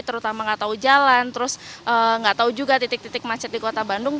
terutama tidak tahu jalan tidak tahu juga titik titik macet di kota bandung